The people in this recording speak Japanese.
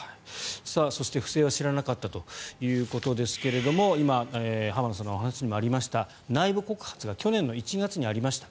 そして、不正は知らなかったということですが今、浜田さんのお話にもありました内部告発が去年１月にありました。